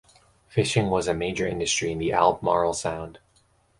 Fishing was a major industry in the Albemarle Sound.